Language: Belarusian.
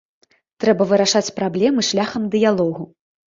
Трэба вырашаць праблемы шляхам дыялогу.